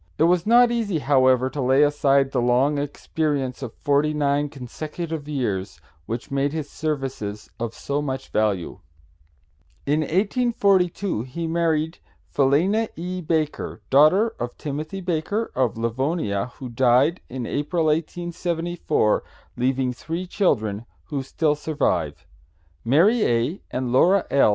It was not easy, however, to lay aside the long experience of forty nine consecutive years, which made his services of so much value. "In 1842 he married Philena E. Baker, daughter of Timothy Baker, of Livonia, who died in April, 1874, leaving three children, who still survive. Mary A. and Laura L.